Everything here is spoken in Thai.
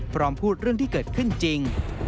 พร้อมพูดเรื่องที่เกิดขึ้นจริง